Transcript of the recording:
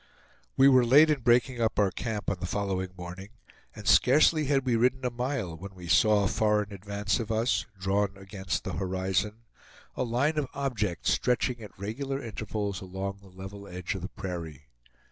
We were late in breaking up our camp on the following morning, and scarcely had we ridden a mile when we saw, far in advance of us, drawn against the horizon, a line of objects stretching at regular intervals along the level edge of the prairie.